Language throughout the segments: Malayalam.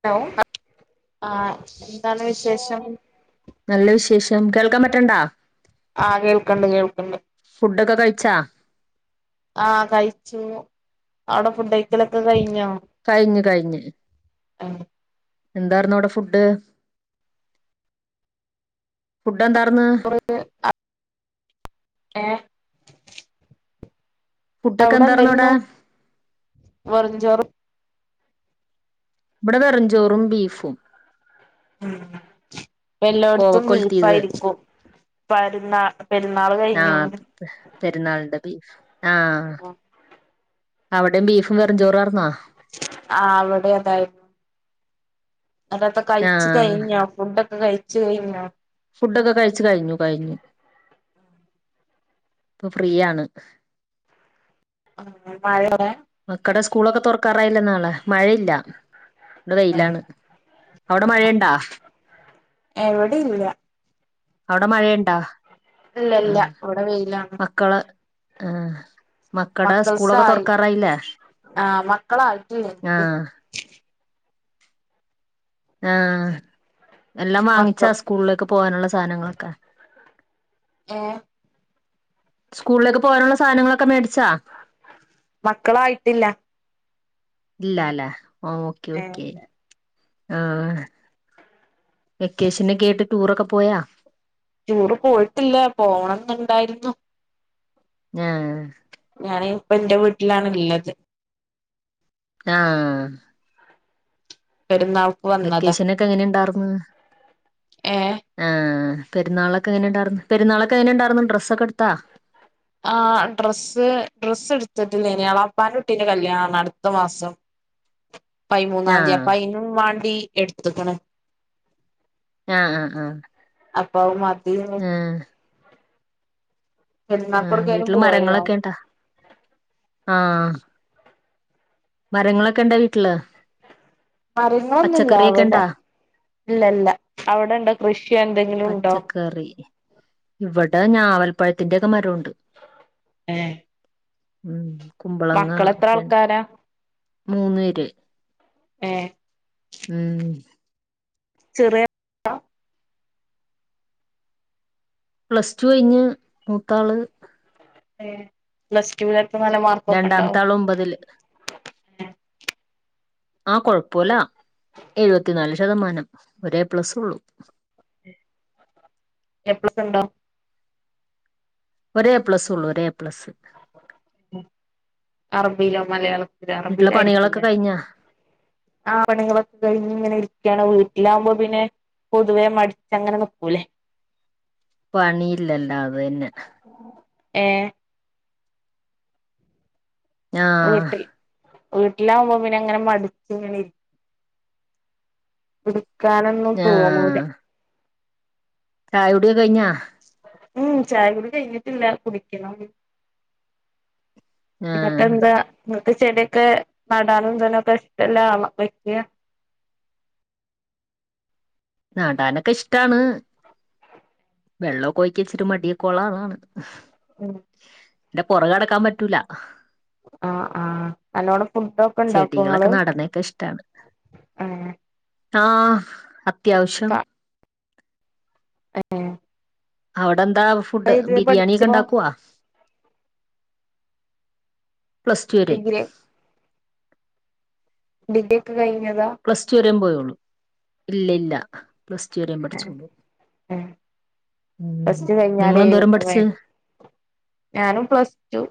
ഹലോ ആഹ് എന്താണ് വിശേഷം നല്ല വിശേഷം കേൾക്കാൻ പറ്റണ്ട ആഹ് കേൾക്കണ്ട് കേൾക്കണ്ട് ഫുഡൊക്കെ കഴിച്ചാ ആഹ് കഴിച്ചു അവിടെ ഫുഡയിക്കലൊക്കെ കഴിഞ്ഞോ കഴിഞ്ഞ് കഴിഞ്ഞേ എന്താരുന്നു അവിടെ ഫുഡ് ഫുഡ് എന്തർന്ന് ഇവിടെ ആ ഏഹ് ഫുഡൊക്കെ അവിടെ എന്താർന്നു എന്താരുന്നു വെറുഞ്ചോറ് ഇവിടെ വെറഞ്ചോറും ബീഫും ഉം എല്ലാടത്തും കോവക്കൊലത്തിയത് ബിഫായിരിക്കും പരുന്നാ പെരുന്നാൾ ആഹ് പെരുന്നാളിന്റെ ബീഫ് ആഹ് അവിടെയും ബീഫും വെറുംഞ്ചോറു ആറുന്ന ആ അവിടെ അതായിരുന്നു അതൊക്കെ കഴിച്ചു ആഹ് കഴിഞ്ഞോ ഫുഡൊക്കെ കഴിച്ചു കഴിഞ്ഞോ ഫുഡൊക്കെ കഴിച്ചു കഴിഞ്ഞു കഴിഞ്ഞു ഇപ്പൊ ഫ്രീയാണ് ആഹ് മഴവിടെ മക്കടെ സ്കൂളൊക്കെ തുറക്കാറായില്ലേ നാളെ മഴഇല്ല ഇവിടെ വെയിലാണ് അവിടെ മഴഇണ്ടാ എവിടെ ഇല്ല അവിടെ മഴഇണ്ടാ ഇല്ല ഇല്ല ഇവിടെ വെയിലാണ് മക്കള ആഹ് മക്കടെ സ്കൂളൊക്കെ മക്കൾസായി തുറക്കാറായില്ലേ ആ മക്കളായിട്ടില്ല എനിക്ക് ആഹ് ആഹ് എല്ലാം വാങ്ങിച്ചാ മക്കൾ സ്കൂളിലേക്ക് പോകാനുള്ള സാനങ്ങളൊക്കെ ഏഹ് സ്കൂളിലേക്ക് പോകഉള്ളെ സാനങ്ങളക്കെ മേടി മക്കളായിട്ടില്ല ഇല്ലല്ലേ ഓക്കെ ഏ ഓക്കെ ആഹ് വെക്കേഷനൊക്കെ ആയ്ട്ട് ടൂറൊക്കെ പോയാ ടൂറ് പോയിട്ടില്ല പോണംന്നുണ്ടായിരുന്നു ആഹ് ഞാനെ ഇപ്പ എന്റെ വീട്ടിലാണ് ഉള്ളത് ആഹ് പെരുന്നാൾ വെക്കേഷൻ ഒക്കെ എങ്ങനെ ഇണ്ടാർന്ന് ഏ ആഹ് പെുന്നാളൊക്കെ എങ്ങനെ ഇണ്ടാർന്നു പെരുന്നാളൊക്കെ എങ്ങനെണ്ടാർന്നു ഡ്രസ്സൊക്കെ എടുത്താ? ആഹ് ഡ്രസ്സ് ഡ്രസ്സ് എടുത്തിട്ടില്ലേനി എളാപ്പാന്റെ കുട്ടീന്റെ കല്യാണാണ് അടുത്ത മാസം ആ പൈമൂന്നാന്തി അപ്പയിനും വാണ്ടി എടുത്ത്ക്കണ് ആഹ് ആഹ് ആഹ് അപ്പ അത് മതി ആഹ് ആഹ് പെരുന്നാക്കൊട്ക്കേലും വീട്ടില് പോയോ മരങ്ങളൊക്കെണ്ടാ ആഹ് ആഹ് മരങ്ങളൊക്കെ ഇണ്ടാ വീട്ടില്? മരങ്ങളൊന്നുല്ലാ പച്ചക്കറിയൊക്കെ അവടെ ഇണ്ടാ ഇല്ല ഇല്ല അവിടെ ഇണ്ടാ കൃഷി എന്തെങ്കിലും ഉണ്ടോ? കറി ഇവിടെ ഞാവൽപ്പഴത്തിന്റെക്കെ മരോണ്ട് ഏഹ് ഉം കുമ്പളങ്ങ ഒക്കെണ്ട് ആൾക്കാരാ മൂന്ന് പേര് ഏഹ് ഉം ചെറിയ പ്ലസ് ടു കഴിഞ്ഞ് മൂത്താള് ഏഹ് പ്ലസ്ടൂലൊക്കെ നല്ല മാർക്ക് ഒക്കെ ഇണ്ടോ? ഓളൊമ്പതില് ഉഹ [unintelligible] ആഹ് കൊഴപ്പോല്ലാ എഴുപത്തിനാല് ശതമാനം ഒരെപ്ലസോള്ളു ഏ പ്ലസ്സ് ഇണ്ടോ? ഒരേപ്ലസോള്ളു ഒരേപ്ലസ് അറബിലോ മലയാള ഇവര് വീട്ടിലെ അറബിയിലായിരിക്കു ലെ പണികളൊക്കെ കഴിഞ്ഞാ ആഹ് പണികളൊക്കെ കഴിഞ്ഞ്ങ്ങനെ ഇരിക്കാണ് വീട്ടിലാകുമ്പോ പിന്നെ പൊതുവേ മടിച്ച് അങ്ങനെ നിക്കൂലേ പണിയില്ലല്ലോ അത് തന്നെ ഏഹ് ആഹ് വീട്ടിൽ വീട്ടിലാവുമ്പോ പിന്നെ അങ്ങനെ മടച്ചിങ്ങനെ ഇരി എടുക്കാനൊന്നും ആഹ് തോന്നൂലാ ചായുടിയൊക്കെ കയിഞ്ഞാ? ഉം ചായ കുടി കഴിഞ്ഞിട്ടില്ലാ കുടിക്കണം ആഹ് എന്നിട്ടെന്താ ഇങ്ങക്ക് ചെടിയൊക്കെ നടാനും ഇതിനൊക്കെ ഇഷ്ട്ടല്ലാ [unintelligible] വെക്കാ നടാനൊക്കെ ഇഷ്ട്ടാണ് വെള്ളക്കൊയിക്കാ ഇച്ചിരി മടിയൊക്കൊള്ളതാണ് ഉം ന്റെ പൊറകെ നടക്കാൻ പറ്റൂലാ ആഹ് ആഹ് നല്ലോണം ഫുഡൊക്കെ ഇണ്ടാക്കോ ചെടികളൊക്കെ ഇങ്ങള് നടനൊക്കെ ഇഷ്ടാണ് ഏഹ് ആഹ് അത്യാവശ്യം ഏഹ് അവിടെന്താ ഫുഡ് ബിരിയാണി ഒക്കെ പഠിച്ചപ്പോ ഇണ്ടാക്കോ? പ്ലസ് ടു വരെ ഡിഗ്രി ഡിഗ്രി ഒക്കെ കഴിഞ്ഞതാ? പ്ലസ് റ്റു വരെമ്പോയുള്ളു ഇല്ലേ ഇല്ല പ്ലസ് റ്റു വരേമ്പഠിച്ചൊള്ളു ഉം പ്ലസ് ടു നിങ്ങളന്തോരം കഴിഞ്ഞാലായിരുന്നു വേ പഠിച്ച് ഞാനും പ്ലസ് റ്റു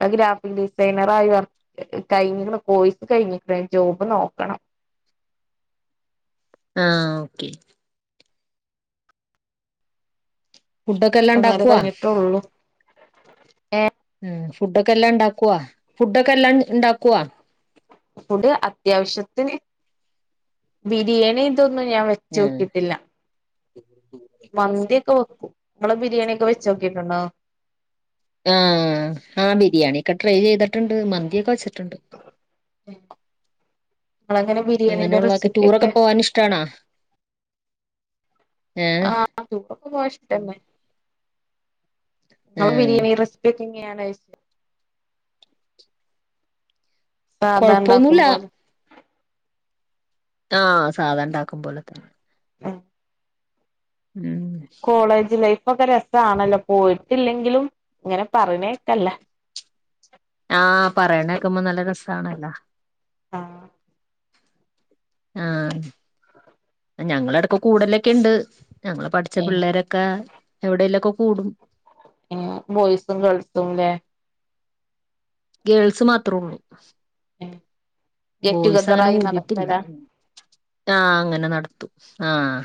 പ്പ ഗ്രാഫിഡിസൈനറായി വർ കഴിഞ്ക്ക്ണ് പോയ്സ് കയ്ഞ്ഞിക്ണ് ജോബ് നോക്കണം ആഹ് ഓക്കേ ഫുഡൊക്കെ എല്ലാം ഒന്നര ണ്ടാക്ക്യോ കഴിഞ്ഞിട്ടൊള്ളൂ ഏ ഉം ഫുഡൊക്കെ എല്ലാംണ്ടാക്കോ ഫുഡൊക്കെ എല്ലാംൺ ണ്ടാക്കോ ഫുഡ് അത്യാവശ്യത്തിന് ബിരിയാണി തൊന്നും ഞാൻ വെ എഹ് മന്തിയെക്കെ വക്കും ങ്ങള് ബിരിയാണിക്കെ വെച്ചോക്കിറ്റ്ണ്ടോ ആഹ് ആഹ് ബിരിയാണിക്കെ ട്രൈ ചെയ്തട്ട്ണ്ട് മന്തിയൊക്കെ വെച്ട്ട്ണ്ട് ങ്ങളങ്ങനെ ബി അങ്ങനെയുള്ളക്കെ റ്റൂറൊക്കെ പോവാനിഷ്ടണാ ഏഹ് അഹ് ട്ടൂറൊക്കെ പോവാൻ ഇഷ്ട്ടന്നെ ആഹ് [unintelligible] ക്കെങ്ങ്യായാണോ ഷ് കൊഴപ്പൊന്നുല്ല സാധാണ്ടാക്കുമ്പോലെ ആഹ് സാധാണ്ടാക്കുമ്പോലതന്നെ അഹ് ഉം കോളേജ് ലൈഫൊക്കെ രസ്സാണല്ലോ പോയിറ്റില്ലങ്കിലും ങ്ങനെ പറിണേക്കല്ലാ ആഹ് പറിണേക്മ്പോ നല്ല രസാണല്ലാ ആഹ് ആഹ് ഞങ്ങള എടക്ക് കൂടലെക്കെണ്ട് ഞങ്ങള് പഠിച്ച പിള്ളേരക്കെ എവിടെലൊക്കെ കൂടും ഏഹ് ബോയ്സും ഗേൾസുംലേ ഗേൾസ് മാത്രൊള്ളൂ ഗെറ്റ് ബോയ്സഅങ്ങനെ ടുഗെദറായി കൂടിട്ടില്ല നടക്കലാ ആഹ് അങ്ങനെ നടത്തും ആഹ്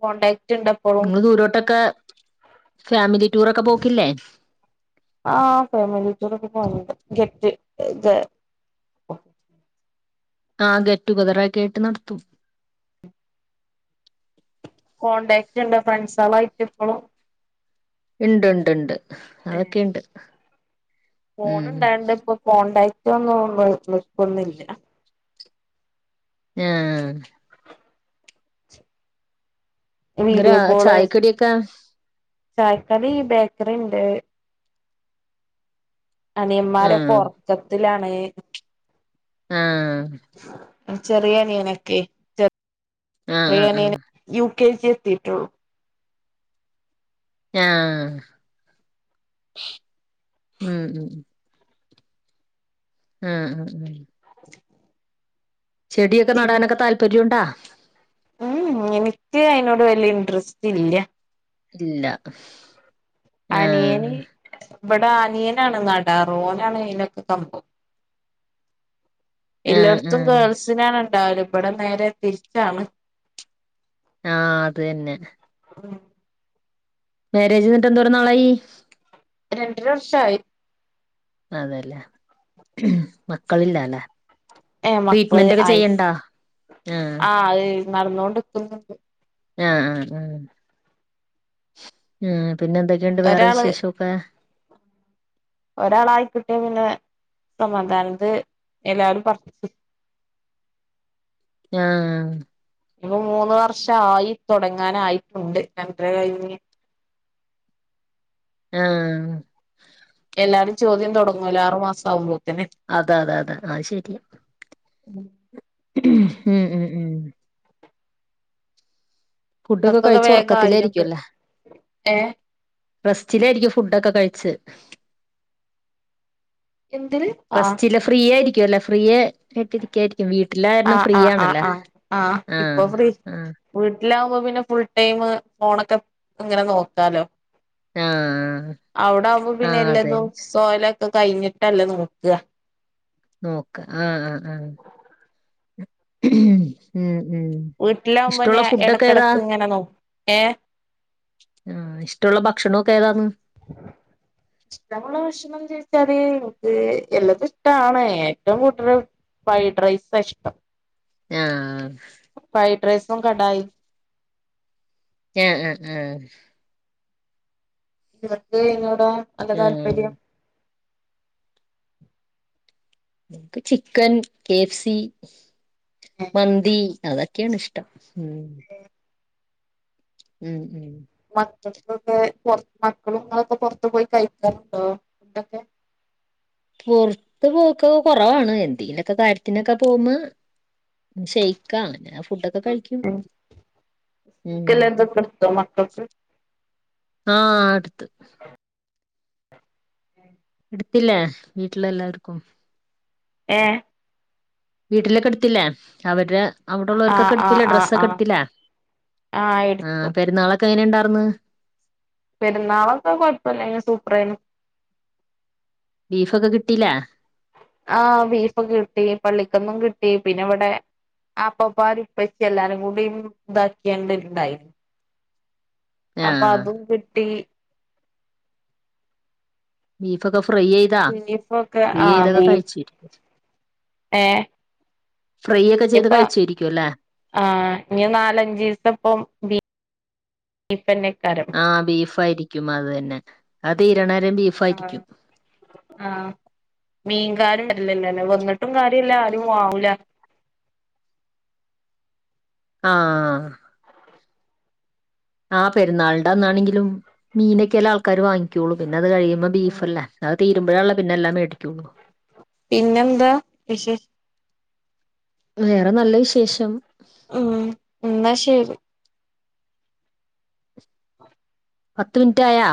പോണ്ടേ ങ്ങള് ദൂരോട്ടക്കെ ഫാമിലി റ്റൂറൊക്കെ പോക്കില്ലേ ആഹ് ഫേമിലിറ്റൂറൊക്കെ പോകൽണ്ട് ഗറ്റ് ഗേ ആഹ് ഗെറ്റുഗതറാക്കീട്ട് നട്ത്തും കോൺടാക്റ്റ്ണ്ടോ ഫ്രണ്ട് സോളായിറ്റ്പ്പളും ഇണ്ട് ണ്ട് ണ്ട് അതൊക്കെണ്ട് ഫോണ് ണ്ടായൺണ്ട്പ്പൊ കോണ്ടാക്റ്റൊന്നും ന്ന് നിക്കുന്നില്ല ആഹ് ഗ്രാ വീഡിയോ കോള് ഛായിക്കടിയൊക്കെ ചായക്കടി ബേക്കറിണ്ട് ആഹ് അനിയന്മാരക്കൊർക്കത്തിലാണ് ആഹ് ഉം ചെറിയ അനിയനക്കെ ചെ ആഹ് ആഹ് ആഹ് റിയനിയന് യു കെ ജി എത്തിട്ടൊള്ളൂ ഞ്ഞാ ഉം ഉം ആഹ് ആഹ് ആഹ് ചെടിയൊക്കെ നടാനൊക്കെ താല്പര്യ ണ്ടോ ഉംഹ്‌ എനിക്ക് അതിനോട് വലിയ ഇൻററസ്റ്റ്ല്ലാ ഇല്ല ആഹ് അനിയന് ഇവിടെ അനിയനാണ് നടാറ് ഓനാണ് അയ്നൊക്കെ കമ്പം ആഹ് എല്ലാടത്തും ആഹ് ഗേൾസിനാണ് ഇണ്ടാവല് ഇവിടെ നേരെ തിരിച്ചാണ് ആ അത് തന്നെ മാര്ജ്ന്നിട്ട് എന്തോര നാളായി രണ്ടര വർഷായി അതല്ലേ മക്കളില്ലല്ലെ ഏ മക്കള് ട്രീറ്റ്മെന്റ്ക്കെ ആയി ചെയ്യ്ണ്ടോ ആ നടന്നോണ്ടിക്കുന്നുണ്ട് ആഹ്‌ ആഹ്‌ ആ മ്മ് പിന്നെ എന്തൊക്കെയുണ്ട് വേറെ ഒരാള് വിശേഷമൊക്കെ ഒരാളായിക്കിട്ടിയ പിന്നെ സമാധാനത് ഇത് എല്ലാവരും പറ ആഹ് ഇപ്പ മൂന്ന് വർഷ ആയി തുടങ്ങാനായിട്ടുണ്ട് രണ്ടര കഴിഞ്ഞ് ആഹ് എല്ലാരും ചോദ്യം തൊടങ്ങൂലോ ആറുമാസം ആകുമ്പോത്തന്നെ അതാണ് അതെ അതെ അഹ് ശെരി [inaudible] ഉം ഉം ഉം ഫുഡൊക്കെ ങ്ങക്കൊക്കെ കഴിച്ചു വേഗം ആയിനത് ഉറക്കത്തിലായിരിക്കുല്ലെ ഏ റെസ്റ്റിലായിരിക്കും ഫുഡൊക്കെ കഴിച്ച് എന്തില് ആ റസ്റ്റില്ല ഫ്രീയയിരിക്കുവല്ലെ ഫ്രീയ കേട്ടിരിക്കായിരിക്കും ആ വീട്ടിലാരണം ഫ്രീ ആ ആ ആണല്ലേ ആ ആ വീട്ടിലാകുമ്പോ പിന്നെ ഫുൾ ടൈം ഫോണൊക്കെ ഇങ്ങനെ നോക്കാലോ. ആഹ് അവിടെ ആവുമ്പോ പിന്നെ ആഹ് എല്ലാതും അതന്നെ സോലൊക്കെ കഴിഞ്ഞിട്ടല്ലേ നോക്ക നോക്ക ആഹ് ആഹ് ആഹ ഇമ് ഇമ് വീട്ടിലാകുമ്പോ ഞ ഇടക്കിടക്ക് ഇങ്ങനെ നോക്കും ഏ ആ ഇഷ്ടള്ള ഭക്ഷണൊക്കെ ഏതാന്ന്. [inaudible] ഇഷ്ടമുള്ള ഭക്ഷണന്ന് ചോദിച്ചാല് എനിക്ക് എല്ലാതും ഇഷ്ട്ടാണ് ഏറ്റവും കൂടുതൽ ഫ്രൈഡ് റൈസാ ഇഷ്ടം ആ ഫ്രൈഡ് റൈസും കടായിയും ആ ആ ആ ഇവർക്ക് എന്നോടാ നല്ല ആഹ് താല്പര്യം എനിക്ക് ചിക്കൻ കെ എഫ് സി ഏ മന്തി അതൊക്കെ തൊക്കാണെ ഇഷ്ടം ഉം ഇമ് ഇമ് മക്കൾക്കൊക്കെ മക്കളുങ്ങളൊക്കെ പൊറത്ത് പോയി കഴിക്കാറുണ്ടോ ഇന്തൊക്കെ [unintelligible] പുറത്ത് പോക്ക കുറവാണ് എന്തെങ്കിലൊക്കെ കാര്യത്തിനൊക്കെ പോകുമ്പോ ഷെയ്ക്കാണ് ഫുടൊ ക്ക കഴിക്കും ഉം ക്കെല്ലാം ഇതൊക്കെ എടുത്തോ മക്കൾക്ക് ആഹ് അടുത്ത് എടുത്തില്ലേ വീട്ടില് എല്ലാവർക്കും ഏഹ് വീട്ടിലേക്ക് എടുത്തില്ലേ അവരുടെ അവിടെ ആഹ് ഉള്ളവർക്കൊക്കെ ആഹ് എടുത്തില്ലേ ആഹ് ഡ്രസ്സൊക്കെ ആഹ് എടുത്തില്ലേ ആഹ് പെരുന്നാളൊക്കെ എങ്ങനെ ഉണ്ടായിരുന്ന് പെരുന്നാളക്കെ കുഴപ്പ ഇല്ലാരുന്നു സൂപ്പറായിരുന്നു ബീഫൊക്കെ കിട്ടീല്ലെ ആഹ് ബീഫൊക്കെ കിട്ടി പള്ളിക്കന്നും കിട്ടി പിന്നെ ഇവിടെ അപ്പപ്പ ആരു ഇപ്പച്ചി എല്ലാരും കൂടി ഇതാക്കിയേണ്ടായി അപ്പൊ ആഹ് അതും കിട്ടി ബീഫ ഒക്കെ ഫ്രൈ ചെയ്താ ബീഫൊക്കെ ഫ്രൈ ആഹ് ചെയ്തൊക്കെ ബീഫ് കഴിച്ച് ഏഹ് ഫ്രൈ ഒക്കെ ചെയ്ത് ഇനിപ്പ കഴിച്ചായിരിക്കും അല്ലേ ആഹ് ഇനി നാലഞ്ച് ഈത്തപ്പം ബീ [unintelligible] ആഹ് ബീഫ് ആയിരിക്കും അത് തന്നെ അത് തീരണവരെ ബീഫ് ആഹ് ആയിരിക്കും ആഹ് മീൻകാരും വരുന്നില്ലല്ലേ വന്നിട്ടും കാര്യം ഇല്ല ആരും വാങ്ങൂല. ആഹ് [inaudible] ആഹ് പെരുന്നാളിന്റെ അന്നാണെങ്കിലും മീനൊക്കെയല്ലേ ആൾക ക്കാര് വങ്ങിയ്ക്കൊയുള്ളൂ. പിന്നെ അത് കഴിയുമ്പോ ബീഫല്ലേ അത് തീരുമ്പഴാണല്ലോ പിന്നെല്ലാം മേടിക്കയുള്ളൂ. പിന്നെന്താ വിശേഷ വേറെ നല്ല വിശേഷം ആഹ് എന്നാ ശരി പത്ത് മിനിറ്റ് ആയ